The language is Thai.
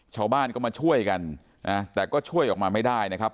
ชาวบ้านก็มาช่วยกันนะแต่ก็ช่วยออกมาไม่ได้นะครับ